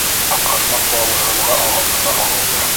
Ә ҡармаҡ бауы һыуға ағылды ла ағылды.